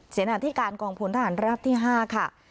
เสนาที่การกองพลทหารราบที่๕ค่ะ